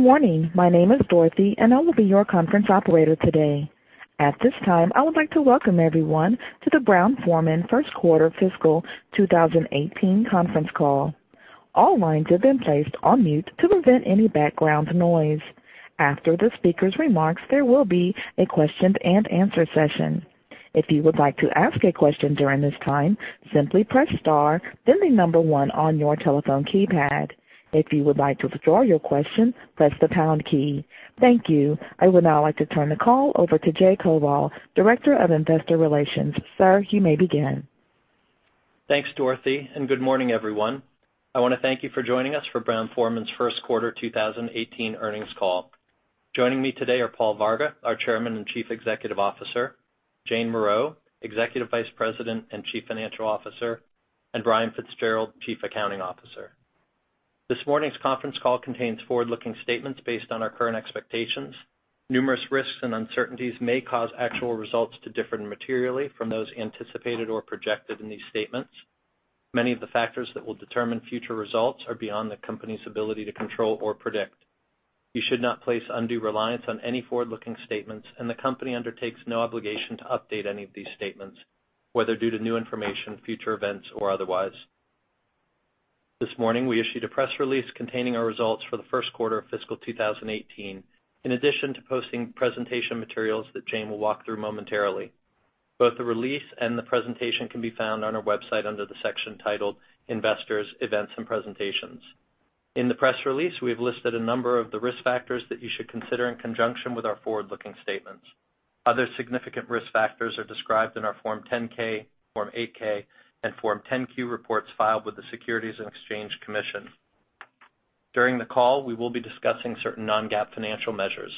Good morning. My name is Dorothy, and I will be your conference operator today. At this time, I would like to welcome everyone to the Brown-Forman First Quarter Fiscal 2018 conference call. All lines have been placed on mute to prevent any background noise. After the speaker's remarks, there will be a question and answer session. If you would like to ask a question during this time, simply press star, then the number 1 on your telephone keypad. If you would like to withdraw your question, press the pound key. Thank you. I would now like to turn the call over to Jay Koval, Director of Investor Relations. Sir, you may begin. Thanks, Dorothy, and good morning, everyone. I want to thank you for joining us for Brown-Forman's first quarter 2018 earnings call. Joining me today are Paul Varga, our Chairman and Chief Executive Officer, Jane Morreau, Executive Vice President and Chief Financial Officer, and Brian Fitzgerald, Chief Accounting Officer. This morning's conference call contains forward-looking statements based on our current expectations. Numerous risks and uncertainties may cause actual results to differ materially from those anticipated or projected in these statements. Many of the factors that will determine future results are beyond the company's ability to control or predict. You should not place undue reliance on any forward-looking statements, and the company undertakes no obligation to update any of these statements, whether due to new information, future events, or otherwise. This morning, we issued a press release containing our results for the first quarter of fiscal 2018, in addition to posting presentation materials that Jane will walk through momentarily. Both the release and the presentation can be found on our website under the section titled Investors, Events and Presentations. In the press release, we have listed a number of the risk factors that you should consider in conjunction with our forward-looking statements. Other significant risk factors are described in our Form 10-K, Form 8-K, and Form 10-Q reports filed with the Securities and Exchange Commission. During the call, we will be discussing certain non-GAAP financial measures.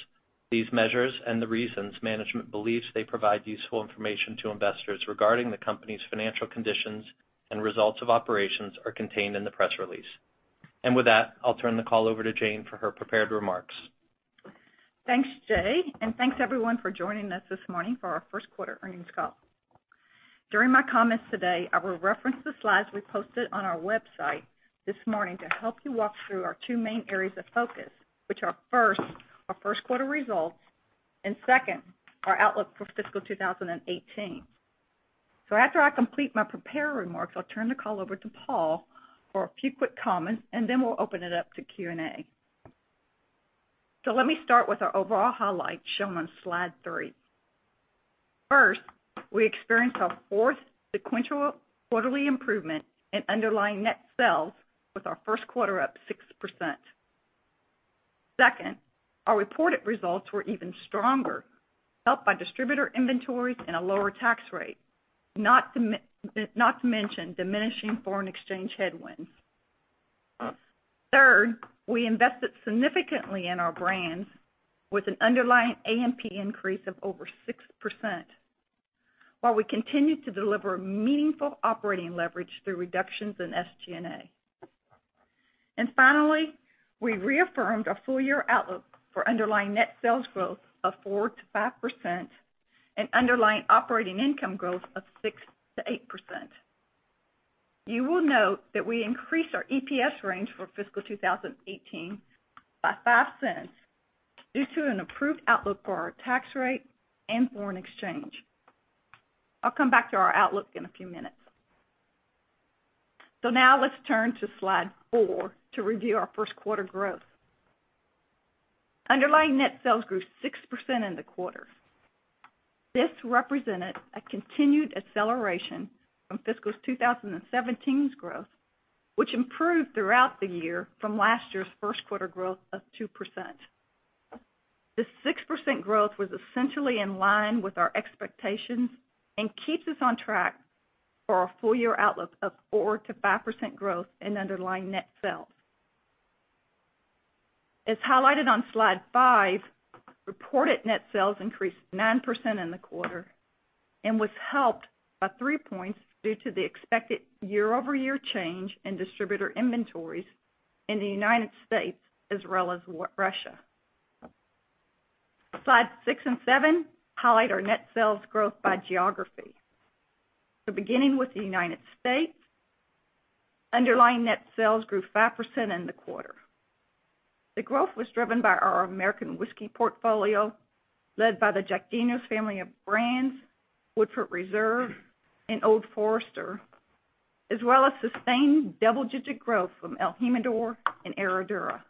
These measures and the reasons management believes they provide useful information to investors regarding the company's financial conditions and results of operations are contained in the press release. With that, I'll turn the call over to Jane for her prepared remarks. Thanks, Jay, and thanks, everyone, for joining us this morning for our first quarter earnings call. During my comments today, I will reference the slides we posted on our website this morning to help you walk through our two main areas of focus, which are first, our first quarter results, and second, our outlook for fiscal 2018. After I complete my prepared remarks, I'll turn the call over to Paul for a few quick comments, and then we'll open it up to Q&A. Let me start with our overall highlights shown on slide three. First, we experienced our fourth sequential quarterly improvement in underlying net sales with our first quarter up 6%. Second, our reported results were even stronger, helped by distributor inventories and a lower tax rate, not to mention diminishing foreign exchange headwinds. Third, we invested significantly in our brands with an underlying AMP increase of over 6%, while we continued to deliver meaningful operating leverage through reductions in SG&A. We reaffirmed our full-year outlook for underlying net sales growth of 4%-5% and underlying operating income growth of 6%-8%. You will note that we increased our EPS range for fiscal 2018 by $0.05 due to an improved outlook for our tax rate and foreign exchange. I'll come back to our outlook in a few minutes. Now let's turn to slide four to review our first quarter growth. Underlying net sales grew 6% in the quarter. This represented a continued acceleration from fiscal 2017's growth, which improved throughout the year from last year's first quarter growth of 2%. This 6% growth was essentially in line with our expectations and keeps us on track for our full-year outlook of 4%-5% growth in underlying net sales. As highlighted on Slide five, reported net sales increased 9% in the quarter and was helped by three points due to the expected year-over-year change in distributor inventories in the U.S. as well as Russia. Slide six and seven highlight our net sales growth by geography. Beginning with the U.S., underlying net sales grew 5% in the quarter. The growth was driven by our American whiskey portfolio, led by the Jack Daniel's family of brands, Woodford Reserve, and Old Forester, as well as sustained double-digit growth from el Jimador and Herradura.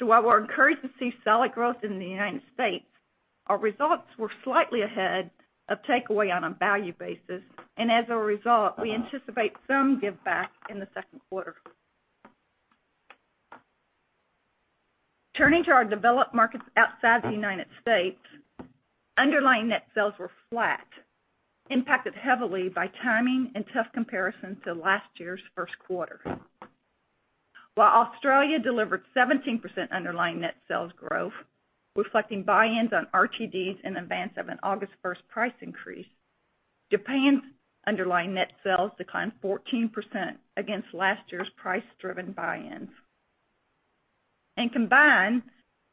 While we're encouraged to see solid growth in the U.S., our results were slightly ahead of takeaway on a value basis, as a result, we anticipate some give back in the second quarter. Turning to our developed markets outside the U.S., underlying net sales were flat, impacted heavily by timing and tough comparisons to last year's first quarter. While Australia delivered 17% underlying net sales growth, reflecting buy-ins on RTDs in advance of an August 1st price increase, Japan's underlying net sales declined 14% against last year's price-driven buy-ins. Combined,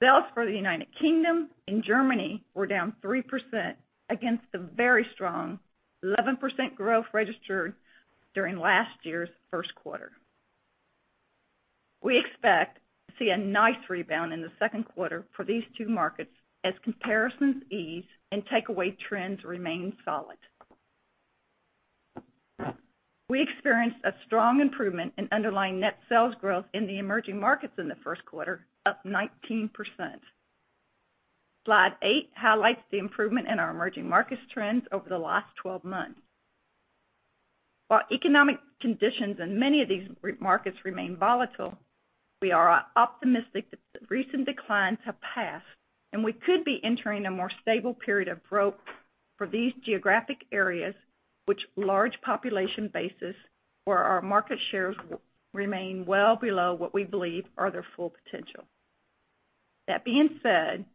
sales for the U.K. and Germany were down 3% against the very strong 11% growth registered during last year's first quarter. We expect to see a nice rebound in the second quarter for these two markets as comparisons ease and takeaway trends remain solid. We experienced a strong improvement in underlying net sales growth in the emerging markets in the first quarter, up 19%. Slide eight highlights the improvement in our emerging markets trends over the last 12 months. While economic conditions in many of these markets remain volatile, we are optimistic that the recent declines have passed, and we could be entering a more stable period of growth for these geographic areas, which large population bases where our market shares remain well below what we believe are their full potential. That being said,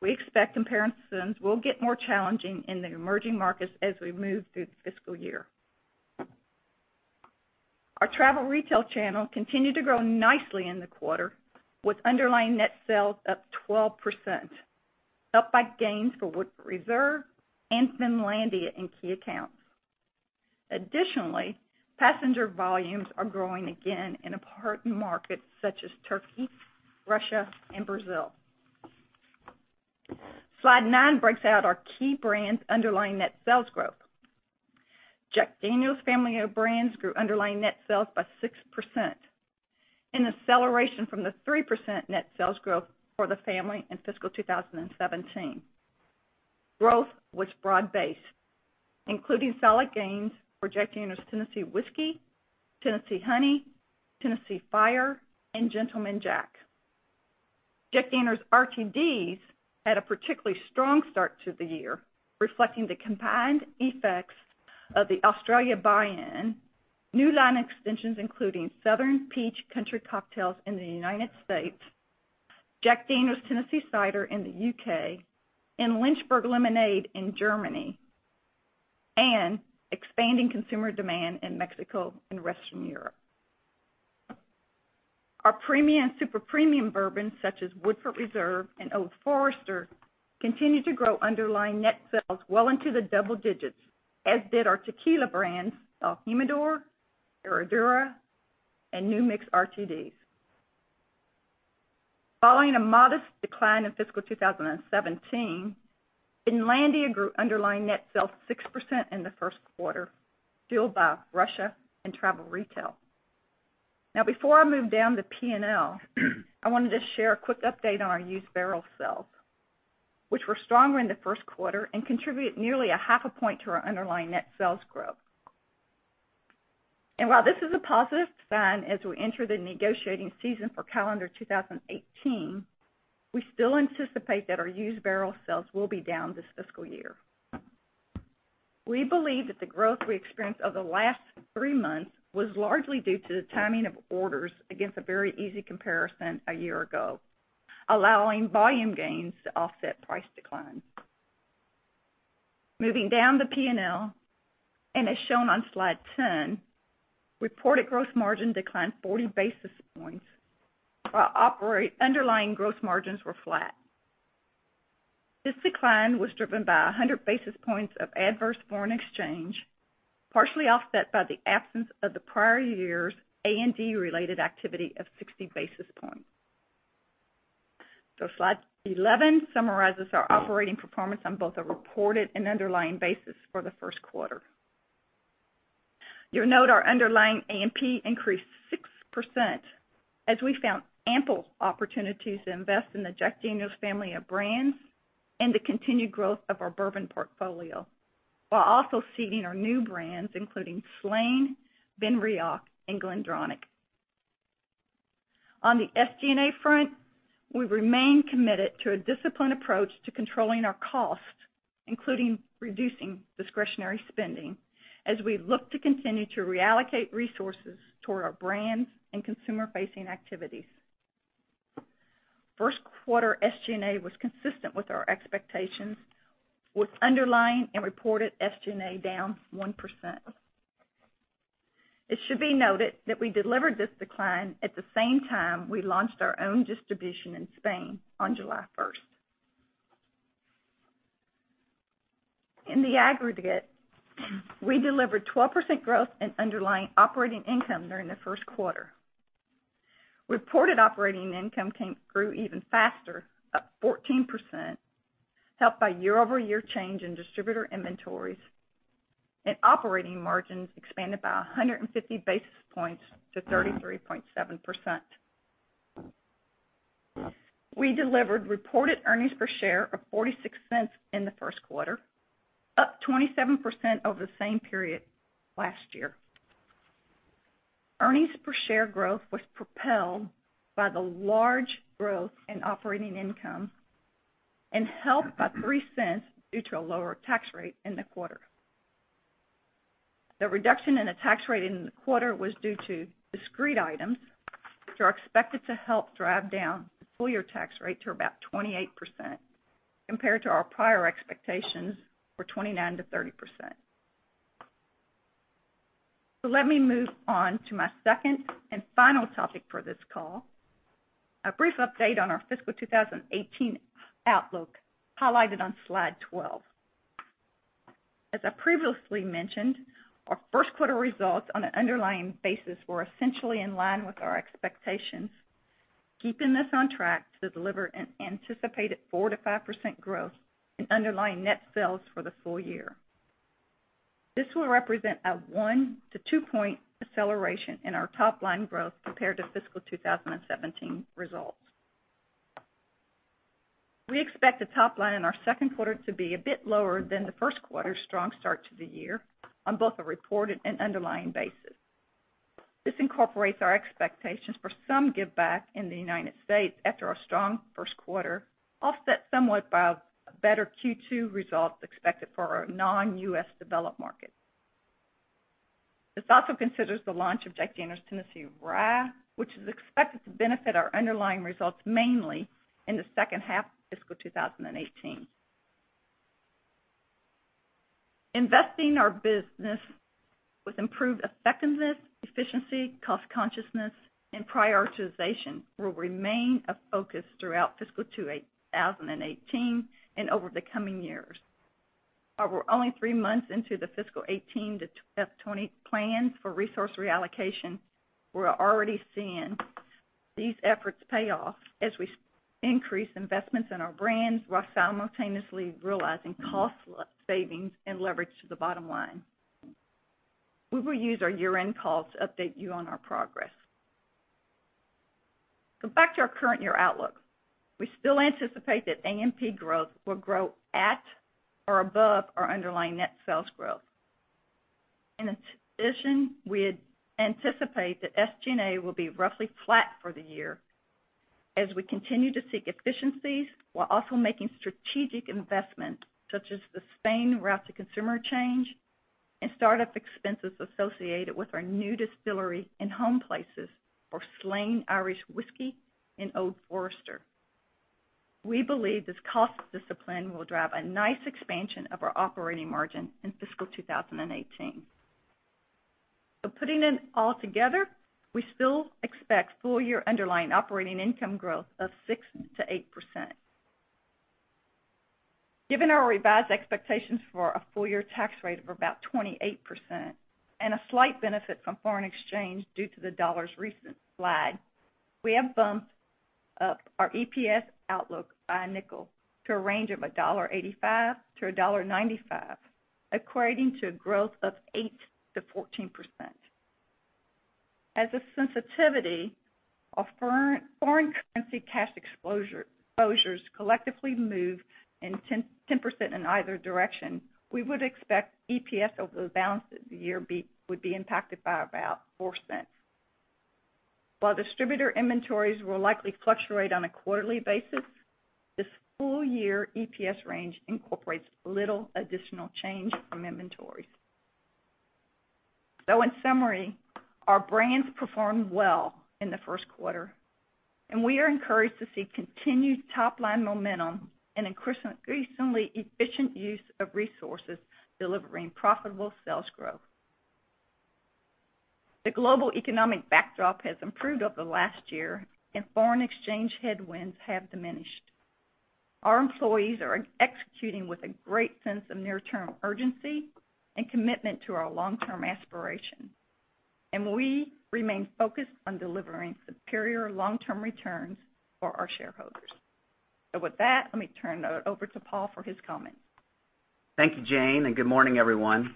we expect comparisons will get more challenging in the emerging markets as we move through the fiscal year. Our travel retail channel continued to grow nicely in the quarter with underlying net sales up 12%, up by gains for Woodford Reserve and Finlandia in key accounts. Additionally, passenger volumes are growing again in important markets such as Turkey, Russia, and Brazil. Slide nine breaks out our key brands' underlying net sales growth. Jack Daniel's family of brands grew underlying net sales by 6%, an acceleration from the 3% net sales growth for the family in fiscal 2017. Growth was broad-based, including solid gains for Jack Daniel's Tennessee Whiskey, Tennessee Honey, Tennessee Fire, and Gentleman Jack. Jack Daniel's RTDs had a particularly strong start to the year, reflecting the combined effects of the Australia buy-in, new line extensions including Southern Peach Country Cocktails in the U.S., Jack Daniel's Tennessee Cider in the U.K., and Lynchburg Lemonade in Germany, and expanding consumer demand in Mexico and Western Europe. Our premium and super-premium bourbons such as Woodford Reserve and Old Forester continued to grow underlying net sales well into the double digits, as did our tequila brands el Jimador, Herradura, and New Mix RTDs. Following a modest decline in fiscal 2017, Finlandia grew underlying net sales 6% in the first quarter, fueled by Russia and travel retail. Before I move down to P&L, I wanted to share a quick update on our used barrel sales, which were stronger in the first quarter and contribute nearly a half a point to our underlying net sales growth. While this is a positive sign as we enter the negotiating season for calendar 2018, we still anticipate that our used barrel sales will be down this fiscal year. We believe that the growth we experienced over the last three months was largely due to the timing of orders against a very easy comparison a year ago, allowing volume gains to offset price declines. Moving down the P&L, as shown on slide 10, reported gross margin declined 40 basis points, while underlying gross margins were flat. This decline was driven by 100 basis points of adverse foreign exchange, partially offset by the absence of the prior year's A&D-related activity of 60 basis points. Slide 11 summarizes our operating performance on both a reported and underlying basis for the first quarter. You'll note our underlying A&P increased 6% as we found ample opportunities to invest in the Jack Daniel's family of brands and the continued growth of our bourbon portfolio, while also seeding our new brands, including Slane, Benriach, and GlenDronach. On the SG&A front, we remain committed to a disciplined approach to controlling our costs, including reducing discretionary spending as we look to continue to reallocate resources toward our brands and consumer-facing activities. First quarter SG&A was consistent with our expectations, with underlying and reported SG&A down 1%. It should be noted that we delivered this decline at the same time we launched our own distribution in Spain on July 1st. In the aggregate, we delivered 12% growth in underlying operating income during the first quarter. Reported operating income grew even faster, up 14%, helped by year-over-year change in distributor inventories and operating margins expanded by 150 basis points to 33.7%. We delivered reported earnings per share of $0.46 in the first quarter, up 27% over the same period last year. Earnings per share growth was propelled by the large growth in operating income and helped by $0.03 due to a lower tax rate in the quarter. The reduction in the tax rate in the quarter was due to discrete items, which are expected to help drive down the full-year tax rate to about 28% compared to our prior expectations for 29%-30%. Let me move on to my second and final topic for this call, a brief update on our fiscal 2018 outlook, highlighted on slide 12. As I previously mentioned, our first quarter results on an underlying basis were essentially in line with our expectations, keeping us on track to deliver an anticipated 4%-5% growth in underlying net sales for the full year. This will represent a one- to two-point acceleration in our top-line growth compared to fiscal 2017 results. We expect the top line in our second quarter to be a bit lower than the first quarter's strong start to the year on both a reported and underlying basis. This incorporates our expectations for some giveback in the U.S. after our strong first quarter, offset somewhat by better Q2 results expected for our non-U.S. developed market. This also considers the launch of Jack Daniel's Tennessee Rye, which is expected to benefit our underlying results mainly in the second half of fiscal 2018. Investing our business with improved effectiveness, efficiency, cost-consciousness, and prioritization will remain a focus throughout fiscal 2018 and over the coming years. Although we're only three months into the FY 2018 to FY 2020 plans for resource reallocation, we're already seeing these efforts pay off as we increase investments in our brands while simultaneously realizing cost savings and leverage to the bottom line. We will use our year-end call to update you on our progress. Back to our current year outlook. We still anticipate that A&P growth will grow at or above our underlying net sales growth. In addition, we anticipate that SG&A will be roughly flat for the year as we continue to seek efficiencies while also making strategic investments such as the Spain route-to-consumer change and start-up expenses associated with our new distillery in home places for Slane Irish Whiskey and Old Forester. We believe this cost discipline will drive a nice expansion of our operating margin in fiscal 2018. Putting it all together, we still expect full-year underlying operating income growth of 6%-8%. Given our revised expectations for a full-year tax rate of about 28% and a slight benefit from foreign exchange due to the dollar's recent slide, we have bumped up our EPS outlook by $0.05 to a range of $1.85-$1.95, equating to growth of 8%-14%. As a sensitivity, if foreign currency cash exposures collectively move in 10% in either direction, we would expect EPS over the balance of the year would be impacted by about $0.04. While distributor inventories will likely fluctuate on a quarterly basis, this full-year EPS range incorporates little additional change from inventories. In summary, our brands performed well in the first quarter, and we are encouraged to see continued top-line momentum and increasingly efficient use of resources delivering profitable sales growth. The global economic backdrop has improved over the last year, and foreign exchange headwinds have diminished. Our employees are executing with a great sense of near-term urgency and commitment to our long-term aspiration. We remain focused on delivering superior long-term returns for our shareholders. With that, let me turn it over to Paul for his comments. Thank you, Jane. Good morning, everyone.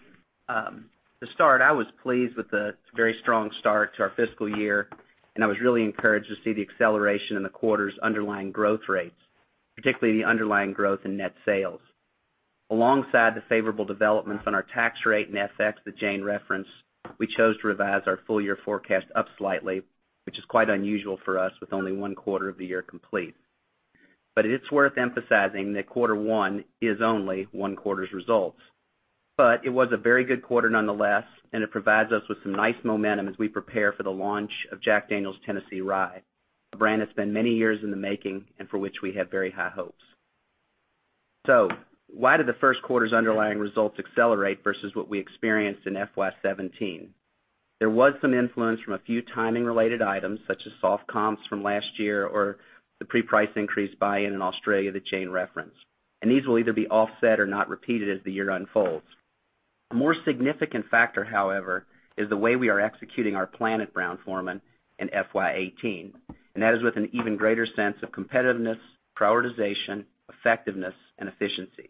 To start, I was pleased with the very strong start to our fiscal year. I was really encouraged to see the acceleration in the quarter's underlying growth rates, particularly the underlying growth in net sales. Alongside the favorable developments on our tax rate and FX that Jane referenced, we chose to revise our full-year forecast up slightly, which is quite unusual for us with only one quarter of the year complete. It's worth emphasizing that quarter one is only one quarter's results. It was a very good quarter nonetheless. It provides us with some nice momentum as we prepare for the launch of Jack Daniel's Tennessee Rye, a brand that's been many years in the making and for which we have very high hopes. Why did the first quarter's underlying results accelerate versus what we experienced in FY 2017? There was some influence from a few timing-related items, such as soft comps from last year or the pre-price increase buy-in in Australia that Jane referenced. These will either be offset or not repeated as the year unfolds. A more significant factor, however, is the way we are executing our plan at Brown-Forman in FY 2018. That is with an even greater sense of competitiveness, prioritization, effectiveness, and efficiency.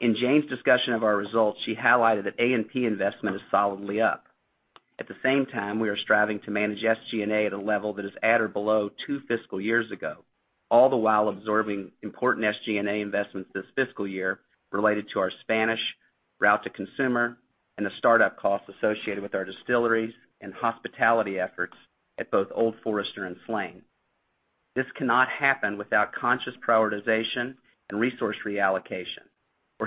In Jane's discussion of our results, she highlighted that A&P investment is solidly up. At the same time, we are striving to manage SG&A at a level that is at or below two fiscal years ago, all the while absorbing important SG&A investments this fiscal year related to our Spanish route to consumer and the start-up costs associated with our distilleries and hospitality efforts at both Old Forester and Slane. This cannot happen without conscious prioritization and resource reallocation.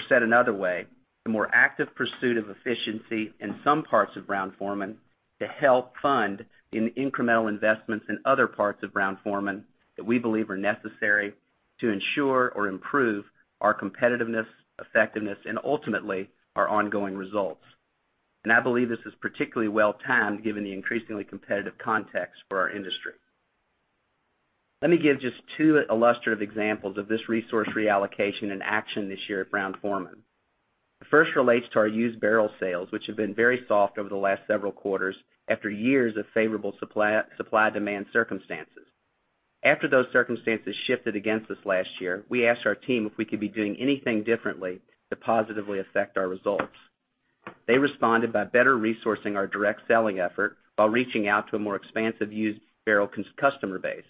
Said another way, the more active pursuit of efficiency in some parts of Brown-Forman. To help fund incremental investments in other parts of Brown-Forman that we believe are necessary to ensure or improve our competitiveness, effectiveness, and ultimately, our ongoing results. I believe this is particularly well-timed given the increasingly competitive context for our industry. Let me give just two illustrative examples of this resource reallocation in action this year at Brown-Forman. The first relates to our used barrel sales, which have been very soft over the last several quarters, after years of favorable supply-demand circumstances. After those circumstances shifted against us last year, we asked our team if we could be doing anything differently to positively affect our results. They responded by better resourcing our direct selling effort while reaching out to a more expansive used barrel customer base.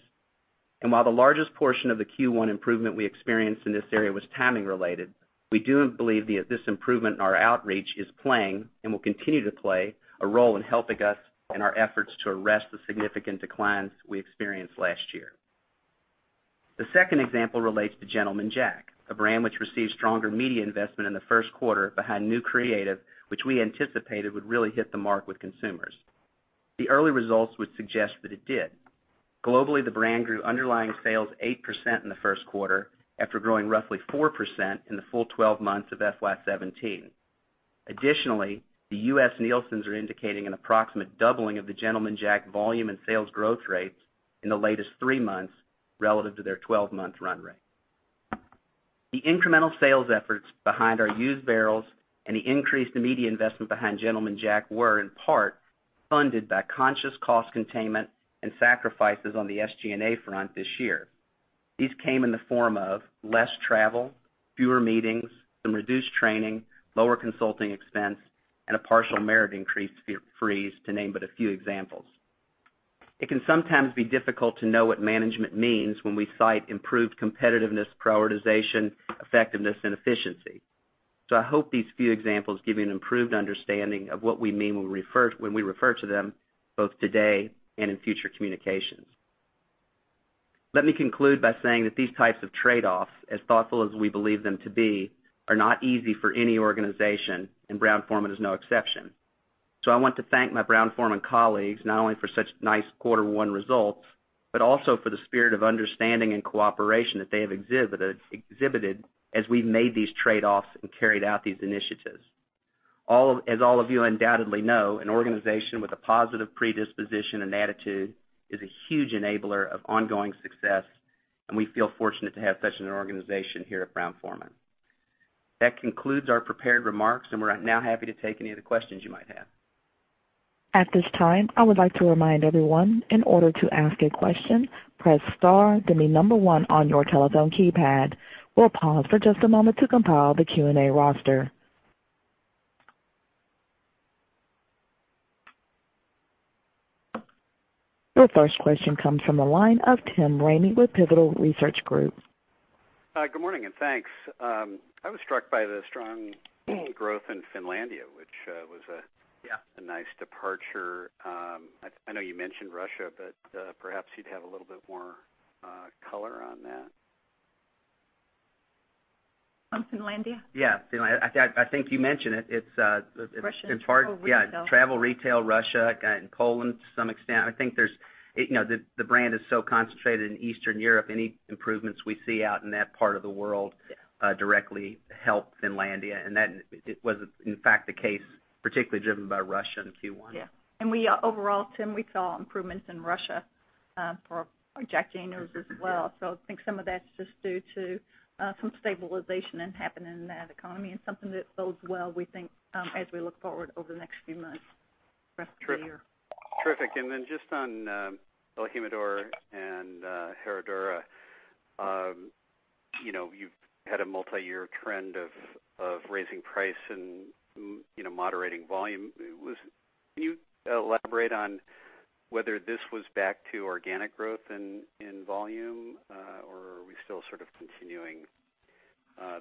While the largest portion of the Q1 improvement we experienced in this area was timing related, we do believe this improvement in our outreach is playing, and will continue to play, a role in helping us in our efforts to arrest the significant declines we experienced last year. The second example relates to Gentleman Jack, a brand which received stronger media investment in the first quarter behind new creative, which we anticipated would really hit the mark with consumers. The early results would suggest that it did. Globally, the brand grew underlying sales 8% in the first quarter after growing roughly 4% in the full 12 months of FY 2017. Additionally, the U.S. Nielsen data are indicating an approximate doubling of the Gentleman Jack volume and sales growth rates in the latest three months relative to their 12-month run rate. The incremental sales efforts behind our used barrels and the increase in media investment behind Gentleman Jack were, in part, funded by conscious cost containment and sacrifices on the SG&A front this year. These came in the form of less travel, fewer meetings, some reduced training, lower consulting expense, and a partial merit increase freeze, to name but a few examples. It can sometimes be difficult to know what management means when we cite improved competitiveness, prioritization, effectiveness, and efficiency. I hope these few examples give you an improved understanding of what we mean when we refer to them both today and in future communications. Let me conclude by saying that these types of trade-offs, as thoughtful as we believe them to be, are not easy for any organization, and Brown-Forman is no exception. I want to thank my Brown-Forman colleagues, not only for such nice quarter one results, but also for the spirit of understanding and cooperation that they have exhibited as we've made these trade-offs and carried out these initiatives. As all of you undoubtedly know, an organization with a positive predisposition and attitude is a huge enabler of ongoing success, and we feel fortunate to have such an organization here at Brown-Forman. That concludes our prepared remarks, and we're now happy to take any of the questions you might have. At this time, I would like to remind everyone, in order to ask a question, press star, then the number one on your telephone keypad. We'll pause for just a moment to compile the Q&A roster. Your first question comes from the line of Tim Ramey with Pivotal Research Group. Hi, good morning, and thanks. I was struck by the strong growth in Finlandia, which was. Yeah a nice departure. I know you mentioned Russia, but perhaps you'd have a little bit more color on that. On Finlandia? Yeah, Finlandia. I think you mentioned it. Russia and travel retail in part, yeah, travel retail Russia, and Poland to some extent. I think the brand is so concentrated in Eastern Europe, any improvements we see out in that part of the world directly help Finlandia, and that was, in fact, the case, particularly driven by Russia in Q1. Yeah. We, overall, Tim, we saw improvements in Russia for Jack Daniel's as well. I think some of that's just due to some stabilization that happened in that economy and something that bodes well, we think, as we look forward over the next few months, the rest of the year. Terrific. Then just on el Jimador and Herradura. You've had a multi-year trend of raising price and moderating volume. Can you elaborate on whether this was back to organic growth in volume? Are we still sort of continuing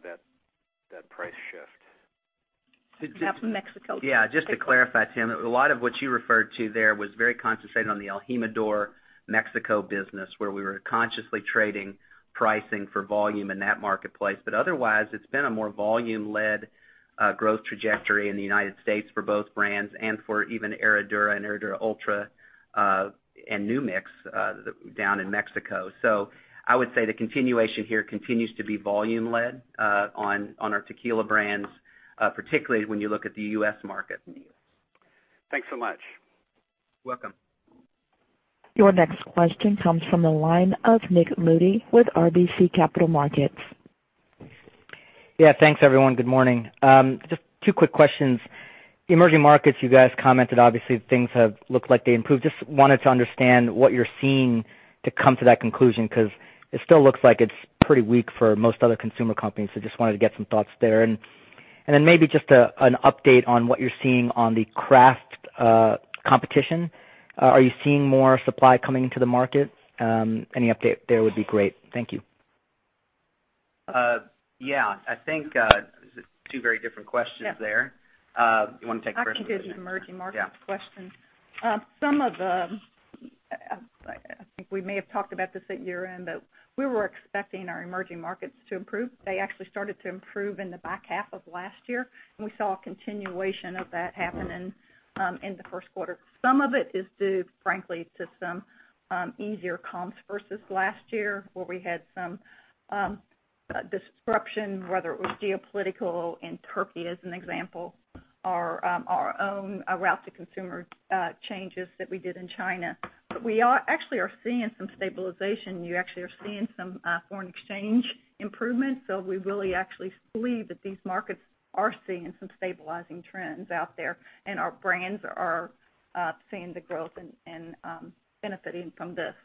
that price shift? That's Mexico. Just to clarify, Tim, a lot of what you referred to there was very concentrated on the el Jimador Mexico business, where we were consciously trading pricing for volume in that marketplace. Otherwise, it's been a more volume-led, growth trajectory in the U.S. for both brands, and for even Herradura and Herradura Ultra, and New Mix down in Mexico. I would say the continuation here continues to be volume led on our tequila brands, particularly when you look at the U.S. market. Thanks so much. Welcome. Your next question comes from the line of Nik Modi with RBC Capital Markets. Thanks everyone. Good morning. Just two quick questions. Emerging markets, you guys commented, obviously, that things have looked like they improved. Just wanted to understand what you're seeing to come to that conclusion, because it still looks like it's pretty weak for most other consumer companies, just wanted to get some thoughts there. Maybe just an update on what you're seeing on the craft competition. Are you seeing more supply coming into the market? Any update there would be great. Thank you. I think, two very different questions there. Yeah. You want to take the first one, Susan? I can take the emerging markets question. Yeah. I think we may have talked about this at year-end. We were expecting our emerging markets to improve. They actually started to improve in the back half of last year. We saw a continuation of that happening in the first quarter. Some of it is due, frankly, to some easier comps versus last year, where we had some disruption, whether it was geopolitical in Turkey as an example, or our own route to consumer changes that we did in China. We actually are seeing some stabilization. You actually are seeing some foreign exchange improvements. We really actually believe that these markets are seeing some stabilizing trends out there. Our brands are seeing the growth and benefiting from this.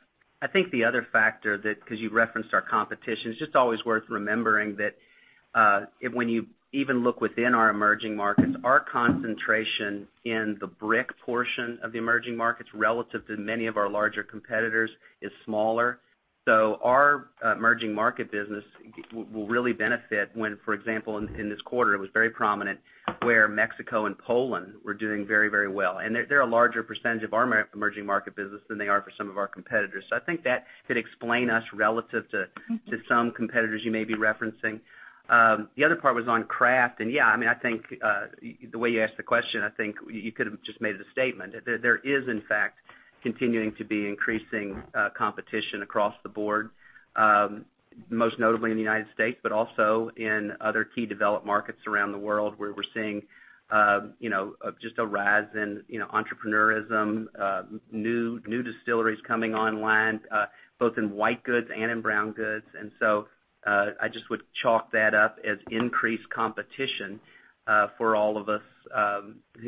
I think the other factor that, because you referenced our competition, it's just always worth remembering that when you even look within our emerging markets, our concentration in the BRIC portion of the emerging markets, relative to many of our larger competitors, is smaller. Our emerging market business will really benefit when, for example, in this quarter, it was very prominent where Mexico and Poland were doing very well. They're a larger percentage of our emerging market business than they are for some of our competitors. I think that could explain us relative to some competitors you may be referencing. The other part was on craft and, yeah, I think, the way you asked the question, I think you could have just made it a statement. There is, in fact, continuing to be increasing competition across the board, most notably in the U.S., but also in other key developed markets around the world where we're seeing just a rise in entrepreneurism, new distilleries coming online, both in white goods and in brown goods. I just would chalk that up as increased competition for all of us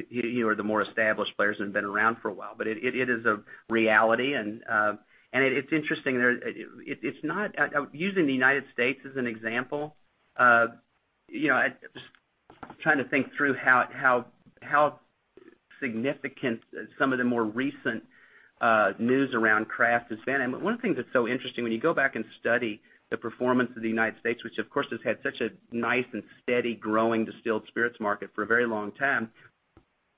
who are the more established players and have been around for a while. It is a reality, and it's interesting. Using the U.S. as an example, I'm trying to think through how significant some of the more recent news around craft has been. One of the things that's so interesting, when you go back and study the performance of the U.S., which of course, has had such a nice and steady growing distilled spirits market for a very long time.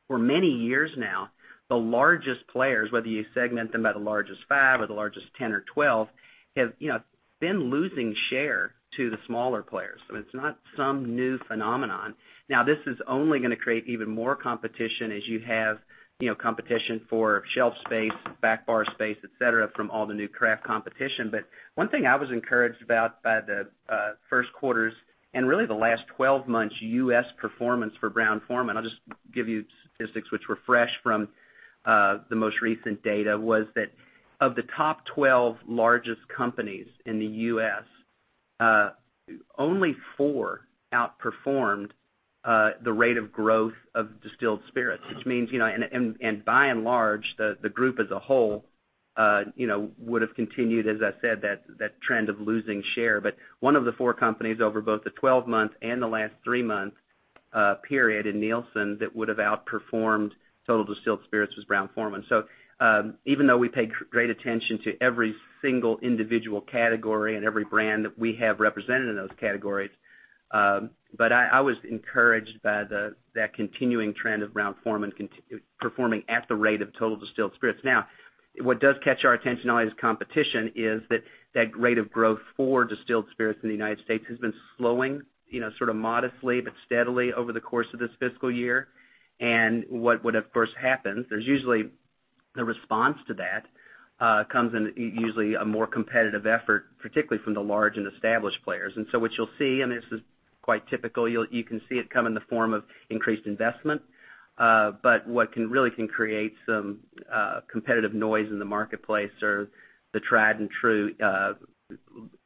For many years now, the largest players, whether you segment them by the largest 5 or the largest 10 or 12, have been losing share to the smaller players. It's not some new phenomenon. Now, this is only going to create even more competition as you have competition for shelf space, back bar space, et cetera, from all the new craft competition. One thing I was encouraged about by the first quarter's, and really the last 12 months, U.S. performance for Brown-Forman, I'll just give you statistics which were fresh from the most recent data, was that of the top 12 largest companies in the U.S., only four outperformed the rate of growth of distilled spirits. By and large, the group as a whole would've continued, as I said, that trend of losing share. One of the four companies over both the 12-month and the last three-month period in Nielsen that would've outperformed total distilled spirits was Brown-Forman. Even though we pay great attention to every single individual category and every brand that we have represented in those categories, I was encouraged by that continuing trend of Brown-Forman performing at the rate of total distilled spirits. What does catch our attention, not only as competition, is that that rate of growth for distilled spirits in the U.S. has been slowing modestly but steadily over the course of this fiscal year. What would of course happen, there's usually the response to that comes in usually a more competitive effort, particularly from the large and established players. What you'll see, and this is quite typical, you can see it come in the form of increased investment. What can really create some competitive noise in the marketplace are the tried and true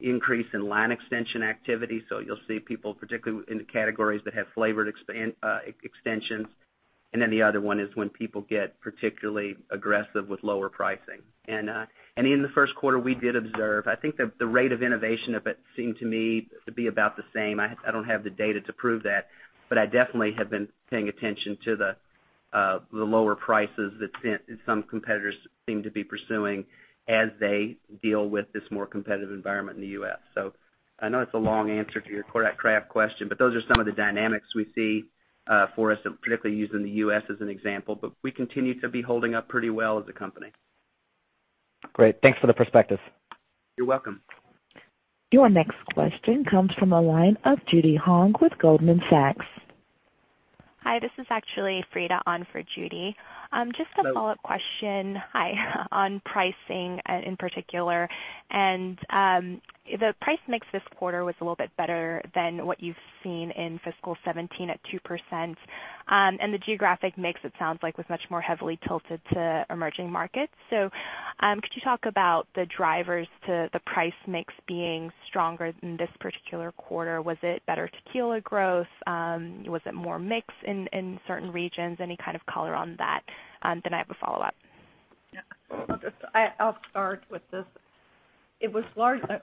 increase in line extension activity. You'll see people, particularly in the categories that have flavored extensions. The other one is when people get particularly aggressive with lower pricing. In the first quarter, we did observe, I think the rate of innovation of it seemed to me to be about the same. I don't have the data to prove that, but I definitely have been paying attention to the lower prices that some competitors seem to be pursuing as they deal with this more competitive environment in the U.S. I know it's a long answer to your craft question, but those are some of the dynamics we see for us, and particularly using the U.S. as an example. We continue to be holding up pretty well as a company. Great. Thanks for the perspective. You're welcome. Your next question comes from the line of Judy Hong with Goldman Sachs. Hi, this is actually Freda on for Judy. Hello. Just a follow-up question. Hi. On pricing in particular, the price mix this quarter was a little bit better than what you've seen in FY 2017 at 2%. The geographic mix, it sounds like, was much more heavily tilted to emerging markets. Could you talk about the drivers to the price mix being stronger in this particular quarter? Was it better tequila growth? Was it more mix in certain regions? Any kind of color on that? I have a follow-up. Yeah. I'll start with this.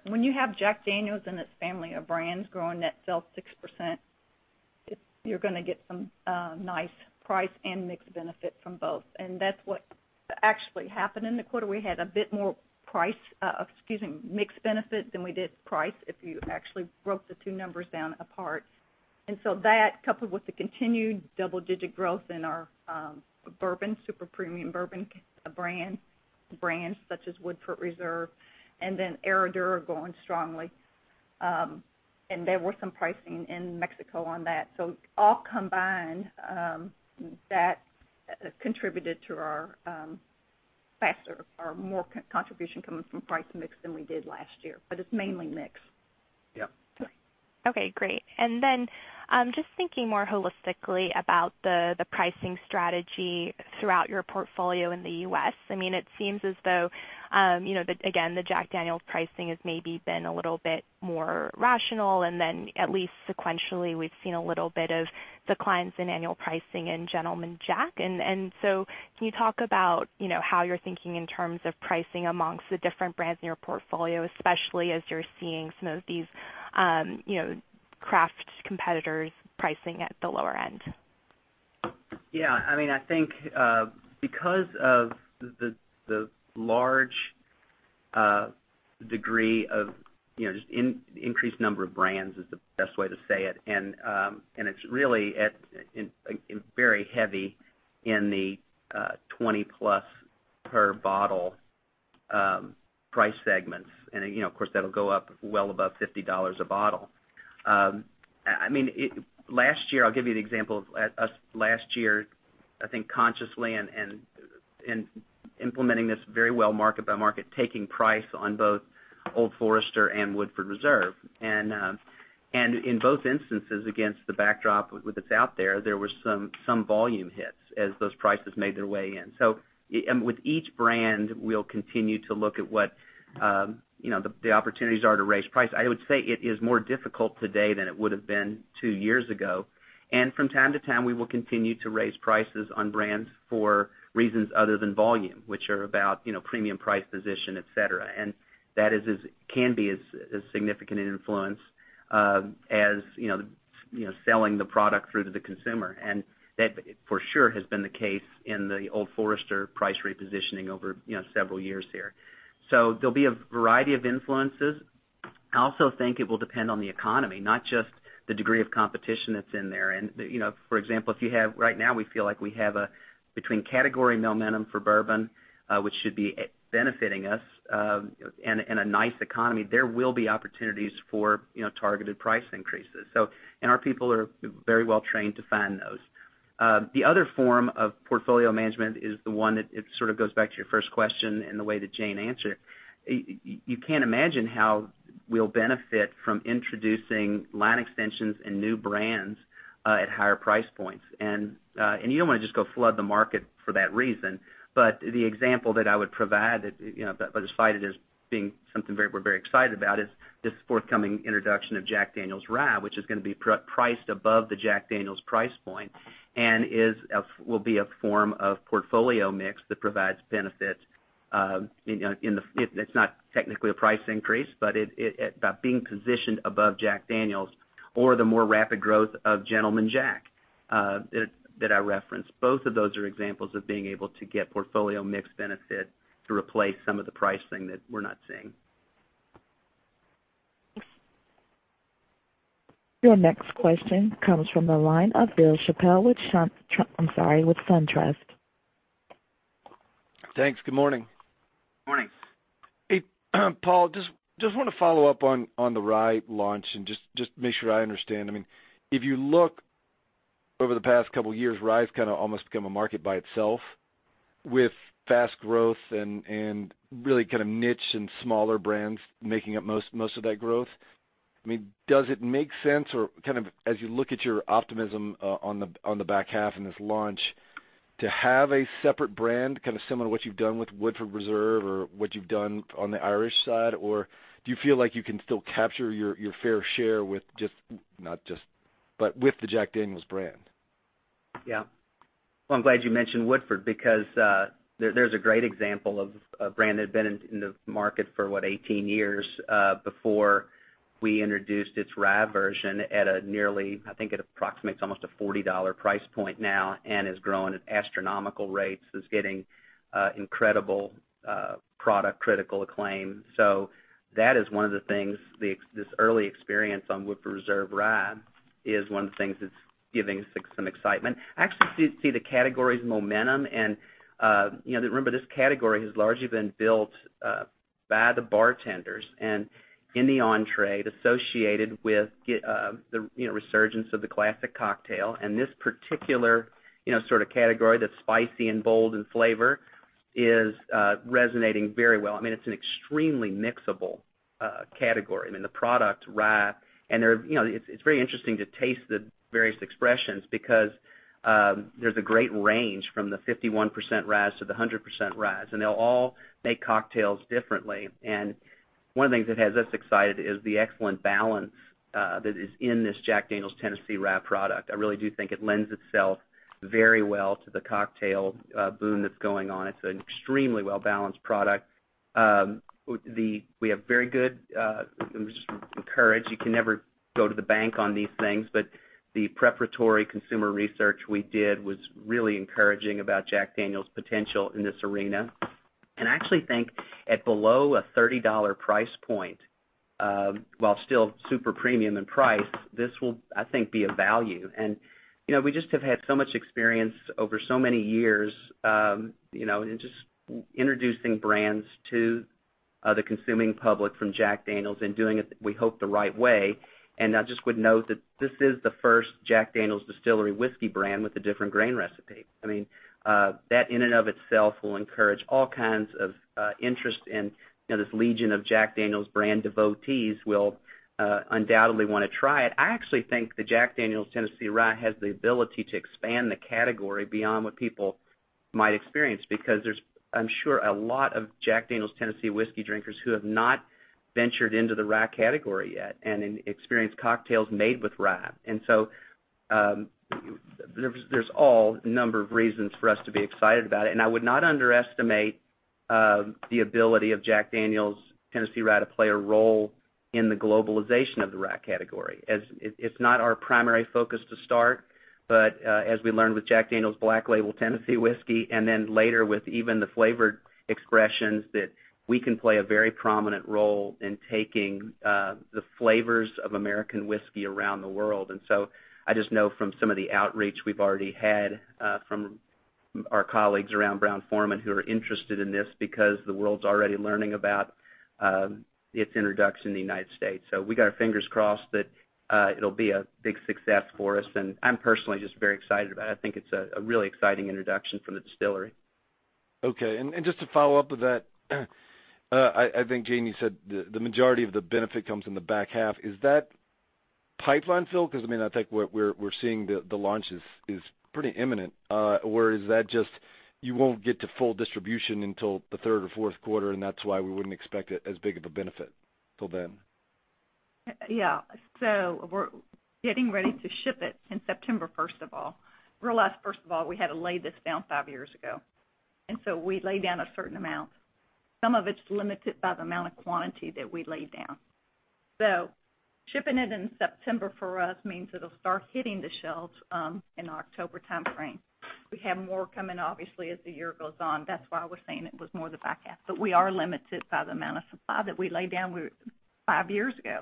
When you have Jack Daniel's and its family of brands growing net sales 6%, you're going to get some nice price and mix benefit from both. That's what actually happened in the quarter. We had a bit more mix benefit than we did price, if you actually broke the two numbers down apart. That, coupled with the continued double-digit growth in our bourbon, super premium bourbon brands, such as Woodford Reserve, and then Herradura going strongly. There was some pricing in Mexico on that. All combined, that contributed to our faster or more contribution coming from price mix than we did last year. It's mainly mix. Yeah. Okay, great. Just thinking more holistically about the pricing strategy throughout your portfolio in the U.S., it seems as though, again, the Jack Daniel's pricing has maybe been a little bit more rational, then at least sequentially, we've seen a little bit of declines in annual pricing in Gentleman Jack. Can you talk about how you're thinking in terms of pricing amongst the different brands in your portfolio, especially as you're seeing some of these craft competitors pricing at the lower end? Yeah. I think because of the large degree of just increased number of brands is the best way to say it's really very heavy in the 20-plus per bottle price segments. Of course, that'll go up well above $50 a bottle. Last year, I'll give you an example of us last year, I think consciously and implementing this very well market by market, taking price on both Old Forester and Woodford Reserve. In both instances, against the backdrop that's out there were some volume hits as those prices made their way in. With each brand, we'll continue to look at what the opportunities are to raise price. I would say it is more difficult today than it would've been 2 years ago. From time to time, we will continue to raise prices on brands for reasons other than volume, which are about premium price position, et cetera. That can be as significant an influence as selling the product through to the consumer. That for sure has been the case in the Old Forester price repositioning over several years here. There'll be a variety of influences. I also think it will depend on the economy, not just the degree of competition that's in there. For example, right now we feel like we have between category momentum for bourbon, which should be benefiting us, and a nice economy, there will be opportunities for targeted price increases. Our people are very well trained to find those. The other form of portfolio management is the one that sort of goes back to your first question and the way that Jane answered. You can't imagine how we'll benefit from introducing line extensions and new brands at higher price points. You don't want to just go flood the market for that reason. The example that I would provide that, despite it as being something we're very excited about, is this forthcoming introduction of Jack Daniel's Rye, which is going to be priced above the Jack Daniel's price point and will be a form of portfolio mix that provides benefits. It's not technically a price increase, but by being positioned above Jack Daniel's or the more rapid growth of Gentleman Jack that I referenced, both of those are examples of being able to get portfolio mix benefit to replace some of the pricing that we're not seeing. Your next question comes from the line of Bill Chappell with SunTrust. Thanks. Good morning. Morning. Paul, just want to follow up on the rye launch and just make sure I understand. If you look over the past couple of years, rye's kind of almost become a market by itself with fast growth and really kind of niche and smaller brands making up most of that growth. Does it make sense, or as you look at your optimism on the back half and this launch, to have a separate brand, kind of similar to what you've done with Woodford Reserve or what you've done on the Irish side, or do you feel like you can still capture your fair share with the Jack Daniel's brand? Well, I'm glad you mentioned Woodford because there's a great example of a brand that had been in the market for, what, 18 years before we introduced its rye version at a nearly, I think it approximates almost a $40 price point now and is growing at astronomical rates, is getting incredible product critical acclaim. That is one of the things, this early experience on Woodford Reserve Rye is one of the things that's giving us some excitement. I actually see the category's momentum and remember, this category has largely been built by the bartenders and in the on-trade associated with the resurgence of the classic cocktail, and this particular sort of category that's spicy and bold in flavor is resonating very well. It's an extremely mixable category. The product rye, and it's very interesting to taste the various expressions because there's a great range from the 51% ryes to the 100% ryes, and they'll all make cocktails differently. One of the things that has us excited is the excellent balance that is in this Jack Daniel's Tennessee Rye product. I really do think it lends itself very well to the cocktail boom that's going on. It's an extremely well-balanced product. We have very good, I'm just encouraged, you can never go to the bank on these things, but the preparatory consumer research we did was really encouraging about Jack Daniel's potential in this arena. I actually think at below a $30 price point, while still super premium in price, this will, I think, be a value. We just have had so much experience over so many years, in just introducing brands to the consuming public from Jack Daniel's and doing it, we hope, the right way. I just would note that this is the first Jack Daniel's distillery whiskey brand with a different grain recipe. That in and of itself will encourage all kinds of interest, and this legion of Jack Daniel's brand devotees will undoubtedly want to try it. I actually think the Jack Daniel's Tennessee Rye has the ability to expand the category beyond what people might experience, because there's, I'm sure, a lot of Jack Daniel's Tennessee Whiskey drinkers who have not ventured into the rye category yet and experienced cocktails made with rye. There's all number of reasons for us to be excited about it, and I would not underestimate the ability of Jack Daniel's Tennessee Rye to play a role in the globalization of the rye category. It's not our primary focus to start, but, as we learned with Jack Daniel's Black Label Tennessee Whiskey, and then later with even the flavored expressions, that we can play a very prominent role in taking the flavors of American whiskey around the world. I just know from some of the outreach we've already had from our colleagues around Brown-Forman who are interested in this because the world's already learning about its introduction in the United States. We got our fingers crossed that it'll be a big success for us, and I'm personally just very excited about it. I think it's a really exciting introduction from the distillery. Okay. Just to follow up with that, I think Jane Morreau said the majority of the benefit comes in the back half. Is that pipeline fill? I think what we're seeing, the launch is pretty imminent. Is that just, you won't get to full distribution until the third or fourth quarter, and that's why we wouldn't expect it as big of a benefit till then? Yeah. We're getting ready to ship it in September, first of all. Realize, first of all, we had to lay this down five years ago. We lay down a certain amount. Some of it's limited by the amount of quantity that we laid down. Shipping it in September for us means it'll start hitting the shelves in the October timeframe. We have more coming, obviously, as the year goes on. That's why we're saying it was more the back half. We are limited by the amount of supply that we laid down five years ago.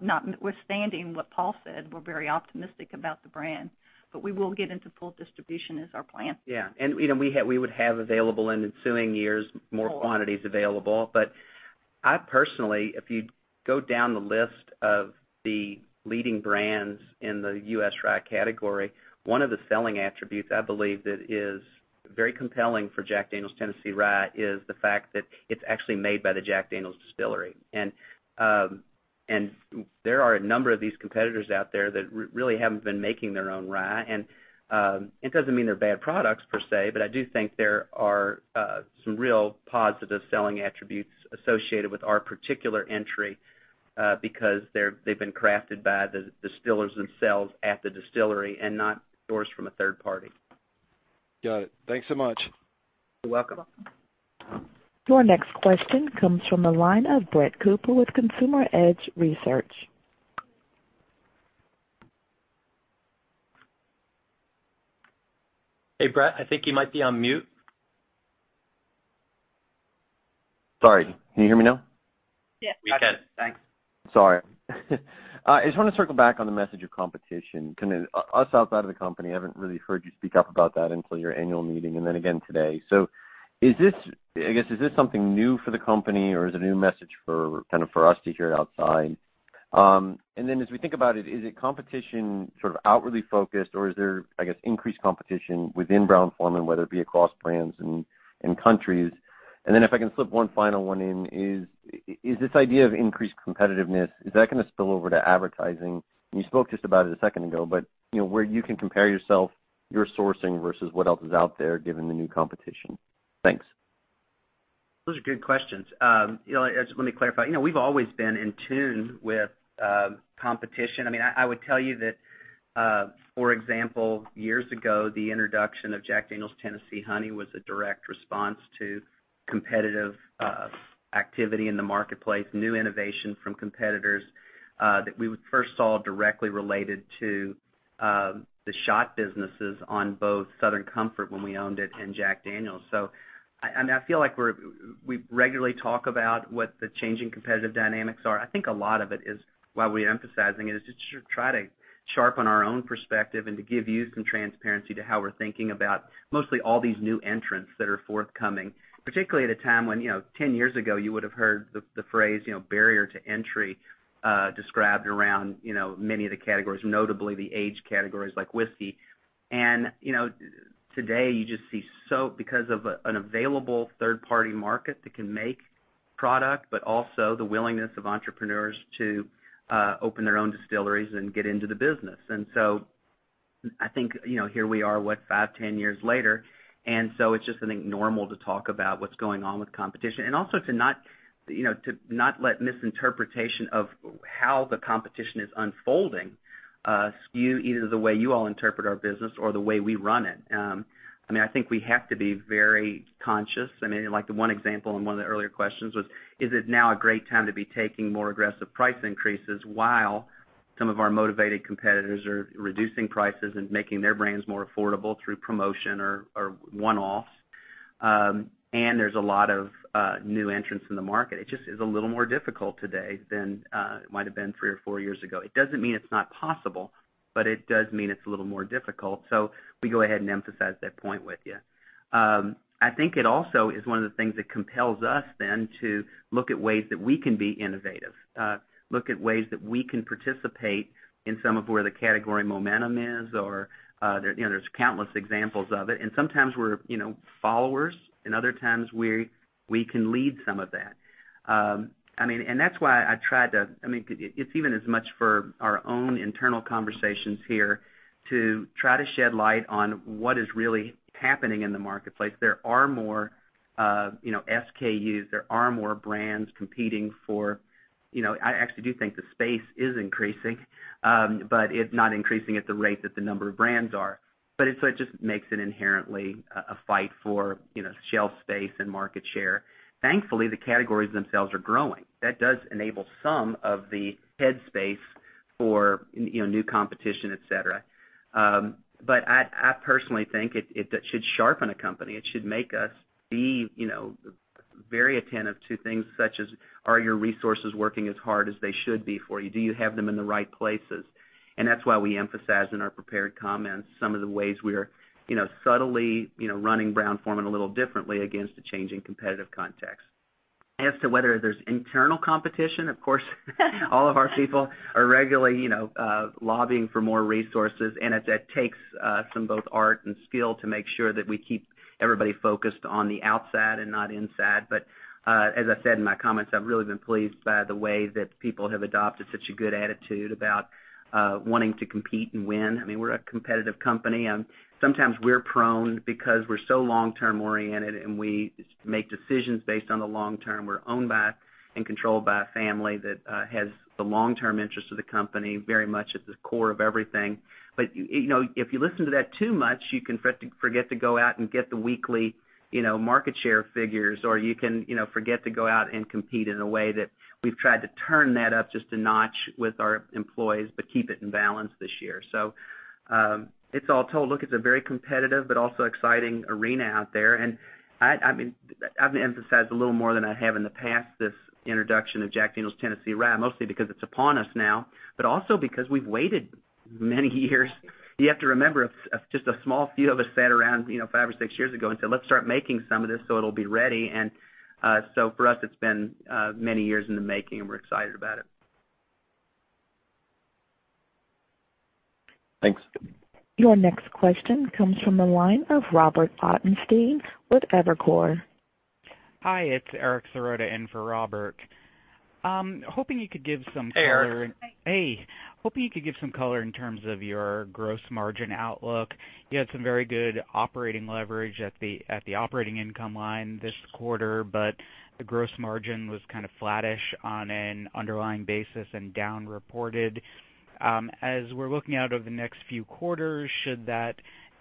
Notwithstanding what Paul said, we're very optimistic about the brand, but we will get into full distribution is our plan. Yeah. We would have available in ensuing years more quantities available. I personally, if you go down the list of the leading brands in the U.S. rye category, one of the selling attributes I believe that is very compelling for Jack Daniel's Tennessee Rye is the fact that it's actually made by the Jack Daniel's distillery. There are a number of these competitors out there that really haven't been making their own rye. It doesn't mean they're bad products per se, but I do think there are some real positive selling attributes associated with our particular entry, because they've been crafted by the distillers themselves at the distillery and not sourced from a third party. Got it. Thanks so much. You're welcome. You're welcome. Your next question comes from the line of Brett Cooper with Consumer Edge Research. Hey, Brett, I think you might be on mute. Sorry. Can you hear me now? Yes. We can. Thanks. Sorry. I just want to circle back on the message of competition. Us outside of the company haven't really heard you speak up about that until your annual meeting and then again today. I guess, is this something new for the company, or is it a new message for us to hear outside? As we think about it, is it competition sort of outwardly focused, or is there, I guess, increased competition within Brown-Forman, whether it be across brands and countries? If I can slip one final one in, is this idea of increased competitiveness, is that going to spill over to advertising? You spoke just about it a second ago, but where you can compare yourself, your sourcing versus what else is out there given the new competition. Thanks. Those are good questions. Let me clarify. We've always been in tune with competition. I would tell you that, for example, years ago, the introduction of Jack Daniel's Tennessee Honey was a direct response to competitive activity in the marketplace, new innovation from competitors, that we first saw directly related to the shot businesses on both Southern Comfort when we owned it and Jack Daniel's. I feel like we regularly talk about what the changing competitive dynamics are. I think a lot of it is why we're emphasizing it, is to try to sharpen our own perspective and to give you some transparency to how we're thinking about mostly all these new entrants that are forthcoming. Particularly at a time when, 10 years ago, you would've heard the phrase, barrier to entry, described around many of the categories, notably the age categories like whiskey. Today, you just see because of an available third-party market that can make product, but also the willingness of entrepreneurs to open their own distilleries and get into the business. I think, here we are, what, five, 10 years later, it's just, I think, normal to talk about what's going on with competition. Also to not let misinterpretation of how the competition is unfolding skew either the way you all interpret our business or the way we run it. I think we have to be very conscious. Like the one example in one of the earlier questions was, is it now a great time to be taking more aggressive price increases while some of our motivated competitors are reducing prices and making their brands more affordable through promotion or one-offs? There's a lot of new entrants in the market. It just is a little more difficult today than it might've been three or four years ago. It doesn't mean it's not possible, but it does mean it's a little more difficult. We go ahead and emphasize that point with you. I think it also is one of the things that compels us then to look at ways that we can be innovative, look at ways that we can participate in some of where the category momentum is or. There's countless examples of it. Sometimes we're followers, other times we can lead some of that. That's why I tried to. It's even as much for our own internal conversations here to try to shed light on what is really happening in the marketplace. There are more SKUs. There are more brands competing for. I actually do think the space is increasing, but it's not increasing at the rate that the number of brands are. It just makes it inherently a fight for shelf space and market share. Thankfully, the categories themselves are growing. That does enable some of the headspace for new competition, et cetera. I personally think it should sharpen a company. It should make us be very attentive to things such as, are your resources working as hard as they should be for you? Do you have them in the right places? That's why we emphasize in our prepared comments some of the ways we are subtly running Brown-Forman a little differently against a changing competitive context. As to whether there's internal competition, of course all of our people are regularly lobbying for more resources, and it takes some both art and skill to make sure that we keep everybody focused on the outside and not inside. As I said in my comments, I've really been pleased by the way that people have adopted such a good attitude about wanting to compete and win. We're a competitive company. Sometimes we're prone because we're so long-term oriented, and we make decisions based on the long term. We're owned by and controlled by a family that has the long-term interest of the company very much at the core of everything. If you listen to that too much, you can forget to go out and get the weekly market share figures, or you can forget to go out and compete in a way that we've tried to turn that up just a notch with our employees, but keep it in balance this year. Look, it's a very competitive but also exciting arena out there. I've emphasized a little more than I have in the past, this introduction of Jack Daniel's Tennessee Rye, mostly because it's upon us now, but also because we've waited many years. You have to remember, just a small few of us sat around five or six years ago and said, "Let's start making some of this so it'll be ready." For us, it's been many years in the making, and we're excited about it. Thanks. Your next question comes from the line of Robert Ottenstein with Evercore. Hi, it's Eric Serotta in for Robert. Hey, Eric. Hey. Hoping you could give some color in terms of your gross margin outlook. You had some very good operating leverage at the operating income line this quarter, but the gross margin was kind of flattish on an underlying basis and down reported. As we're looking out over the next few quarters, should that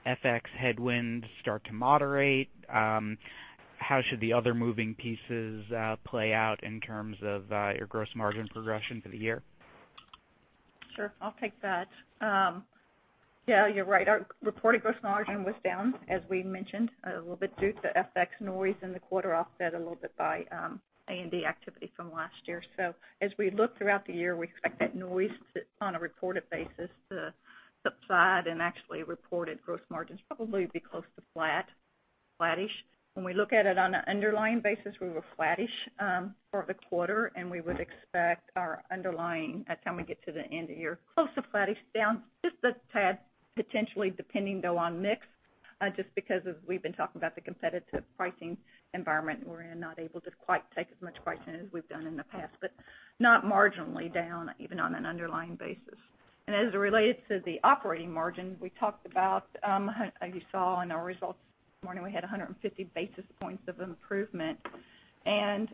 FX headwind start to moderate? How should the other moving pieces play out in terms of your gross margin progression for the year? Sure. I'll take that. Yeah, you're right. Our reported gross margin was down, as we mentioned, a little bit due to FX noise in the quarter, offset a little bit by A&E activity from last year. As we look throughout the year, we expect that noise to, on a reported basis, to subside and actually reported gross margins probably be close to flattish. When we look at it on an underlying basis, we were flattish for the quarter, and we would expect our underlying, by the time we get to the end of year, close to flattish, down just a tad, potentially, depending, though, on mix, just because as we've been talking about the competitive pricing environment, and we're not able to quite take as much pricing as we've done in the past. Not marginally down, even on an underlying basis. As it relates to the operating margin, we talked about, as you saw in our results this morning, we had 150 basis points of improvement, and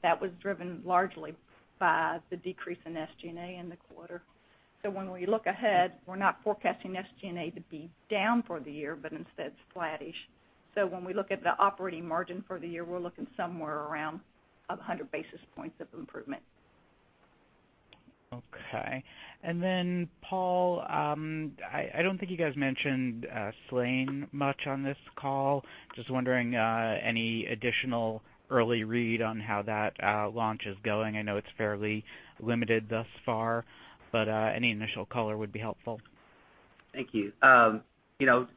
that was driven largely by the decrease in SG&A in the quarter. When we look ahead, we're not forecasting SG&A to be down for the year, but instead flattish. When we look at the operating margin for the year, we're looking somewhere around 100 basis points of improvement. Okay. Then, Paul, I don't think you guys mentioned Slane much on this call. Just wondering, any additional early read on how that launch is going? I know it's fairly limited thus far, but any initial color would be helpful. Thank you.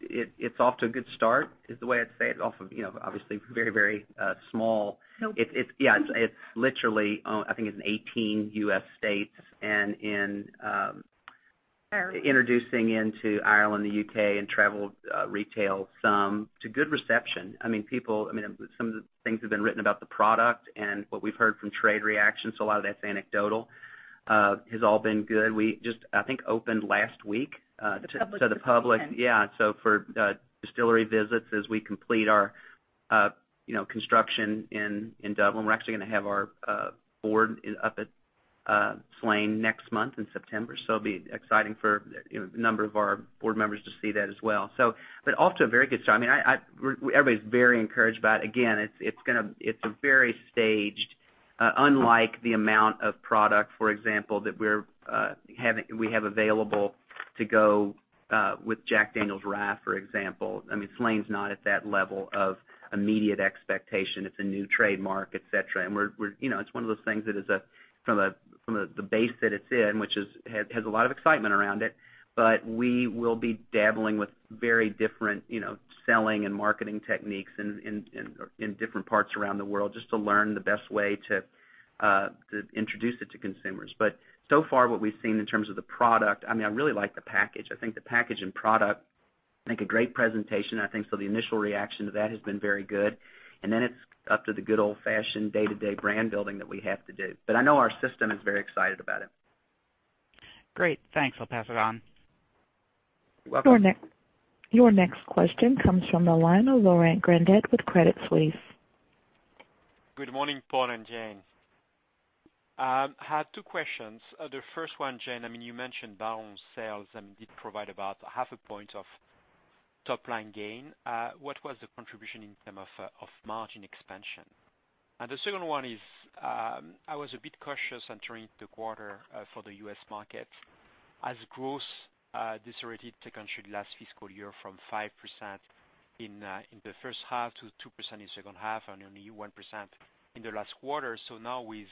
It's off to a good start, is the way I'd say it. Obviously, very small. No. Yeah, it's literally, I think it's in 18 U.S. states, and in- Ireland introducing into Ireland, the U.K., and travel retail some to good reception. Some of the things have been written about the product and what we've heard from trade reactions, a lot of that's anecdotal, has all been good. We just, I think, opened last week- To the public this past weekend to the public, yeah. For distillery visits, as we complete our construction in Dublin, we're actually going to have our board up at Slane next month in September. It'll be exciting for a number of our board members to see that as well. Off to a very good start. Everybody's very encouraged about it. Again, it's a very staged Unlike the amount of product, for example, that we have available to go with Jack Daniel's Rye, for example. Slane's not at that level of immediate expectation. It's a new trademark, et cetera. It's one of those things that is, from the base that it's in, which has a lot of excitement around it, but we will be dabbling with very different selling and marketing techniques in different parts around the world, just to learn the best way to introduce it to consumers. So far what we've seen in terms of the product, I really like the package. I think the package and product make a great presentation, I think. The initial reaction to that has been very good, and then it's up to the good old-fashioned day-to-day brand building that we have to do. I know our system is very excited about it. Great. Thanks. I'll pass it on. You're welcome. Your next question comes from the line of Laurent Grandet with Credit Suisse. Good morning, Paul and Jane. I had two questions. The first one, Jane, you mentioned brown sales, did provide about half a point of top-line gain. What was the contribution in terms of margin expansion? The second one is, I was a bit cautious entering the quarter for the U.S. market as growth decelerated to, actually, last fiscal year from 5% in the first half to 2% in the second half and only 1% in the last quarter. Now with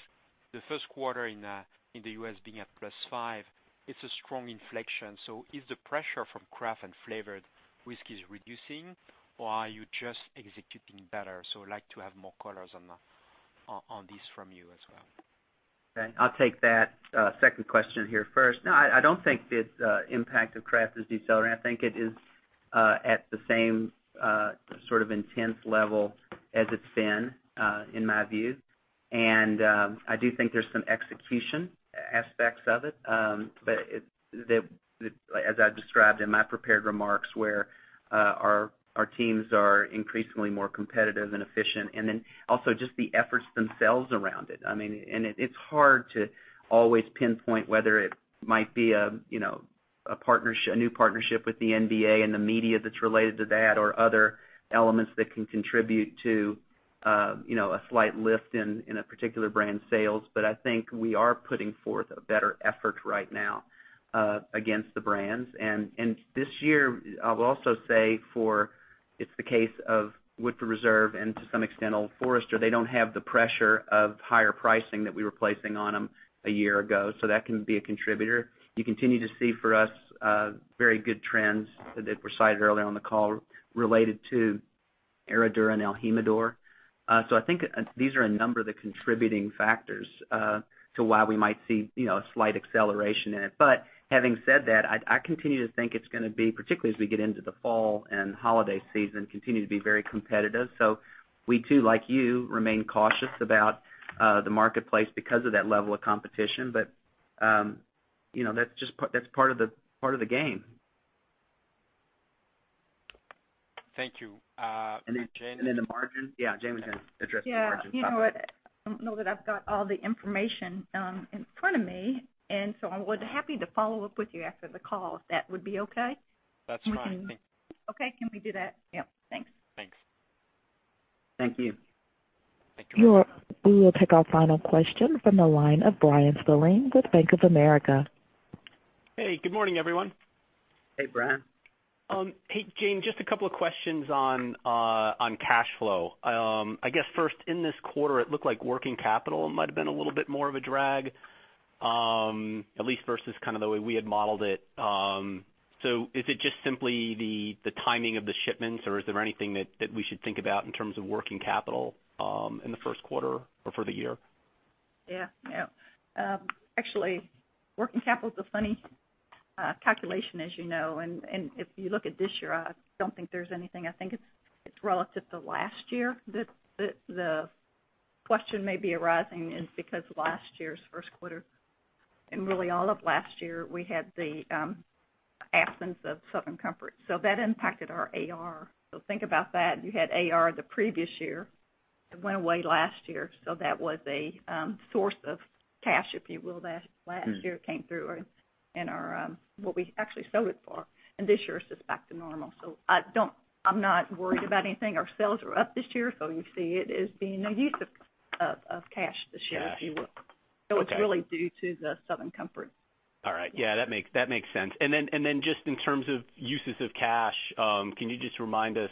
the first quarter in the U.S. being at +5, it's a strong inflection. Is the pressure from craft and flavored whiskeys reducing, or are you just executing better? I would like to have more colors on this from you as well. Okay, I'll take that second question here first. No, I don't think the impact of craft is decelerating. I think it is at the same sort of intense level as it's been, in my view. I do think there's some execution aspects of it. As I described in my prepared remarks, where our teams are increasingly more competitive and efficient, then also just the efforts themselves around it. It's hard to always pinpoint whether it might be a new partnership with the NBA and the media that's related to that or other elements that can contribute to a slight lift in a particular brand's sales. I think we are putting forth a better effort right now against the brands. This year, I will also say for, it's the case of Woodford Reserve and to some extent, Old Forester. They don't have the pressure of higher pricing that we were placing on them a year ago, that can be a contributor. You continue to see for us, very good trends that were cited earlier on the call related to Herradura and el Jimador. I think these are a number of the contributing factors to why we might see a slight acceleration in it. Having said that, I continue to think it's going to be, particularly as we get into the fall and holiday season, continue to be very competitive. We too, like you, remain cautious about the marketplace because of that level of competition. That's part of the game. Thank you. Jane. Then the margin? Yeah, Jane was going to address the margin. Yeah. You know what? I don't know that I've got all the information in front of me. I would be happy to follow up with you after the call, if that would be okay? That's fine. Thank you. Okay. Can we do that? Yep. Thanks. Thanks. Thank you. Thank you. We will take our final question from the line of Bryan Spillane with Bank of America. Hey, good morning, everyone. Hey, Bryan. Hey, Jane, just a couple of questions on cash flow. I guess first, in this quarter, it looked like working capital might've been a little bit more of a drag, at least versus kind of the way we had modeled it. Is it just simply the timing of the shipments, or is there anything that we should think about in terms of working capital in the first quarter or for the year? Yeah. Actually, working capital's a funny calculation, as you know. If you look at this year, I don't think there's anything. I think it's relative to last year that the question may be arising, is because last year's first quarter, and really all of last year, we had the absence of Southern Comfort. That impacted our AR. Think about that. You had AR the previous year. It went away last year, so that was a source of cash, if you will, that last year came through in our, what we actually sold it for. This year it's just back to normal. I'm not worried about anything. Our sales are up this year, so you see it as being a use of cash this year. Cash if you will. Okay. It's really due to the Southern Comfort. All right. Yeah, that makes sense. Then just in terms of uses of cash, can you just remind us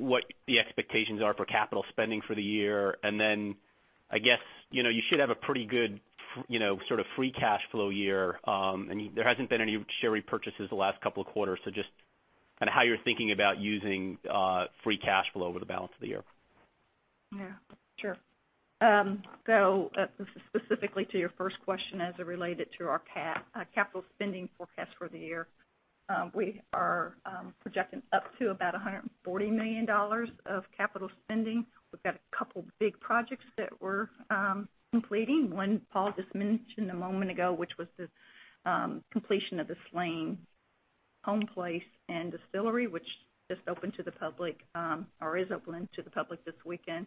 what the expectations are for capital spending for the year? Then, I guess, you should have a pretty good sort of free cash flow year. There hasn't been any share repurchases the last couple of quarters, so just kind of how you're thinking about using free cash flow over the balance of the year. Yeah. Sure. Specifically to your first question as it related to our capital spending forecast for the year. We are projecting up to about $140 million of capital spending. We've got a couple big projects that we're completing. One Paul just mentioned a moment ago, which was the completion of the Slane home place and distillery, which just opened to the public, or is open to the public this weekend.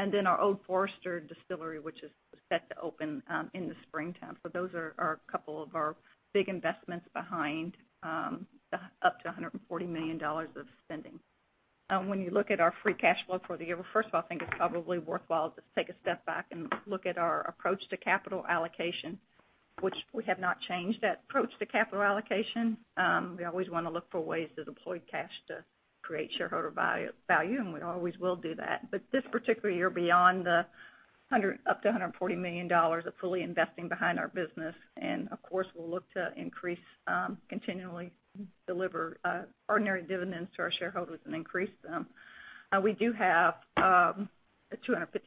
Then our Old Forester distillery, which is set to open in the springtime. Those are a couple of our big investments behind up to $140 million of spending. When you look at our free cash flow for the year, well, first of all, I think it's probably worthwhile to take a step back and look at our approach to capital allocation, which we have not changed that approach to capital allocation. We always want to look for ways to deploy cash to create shareholder value, and we always will do that. This particular year, beyond up to $140 million of fully investing behind our business, and of course, we'll look to increase, continually deliver ordinary dividends to our shareholders and increase them. We do have $250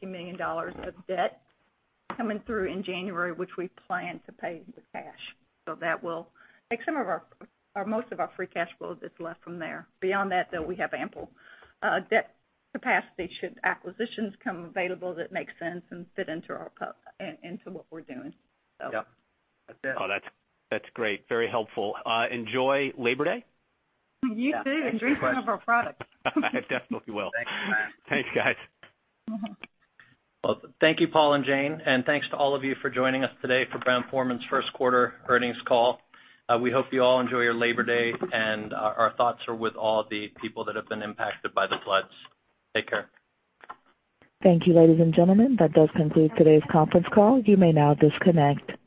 million of debt coming through in January, which we plan to pay with cash. That will take some of our, or most of our free cash flow that's left from there. Beyond that, though, we have ample debt capacity should acquisitions come available that make sense and fit into what we're doing. Yep. That's it. That's great. Very helpful. Enjoy Labor Day. You, too. Yeah. Thanks for the question. Drink some of our products. I definitely will. Thanks, Brian. Thanks, guys. Well, thank you, Paul and Jane, and thanks to all of you for joining us today for Brown-Forman's first quarter earnings call. We hope you all enjoy your Labor Day, and our thoughts are with all the people that have been impacted by the floods. Take care. Thank you, ladies and gentlemen. That does conclude today's conference call. You may now disconnect.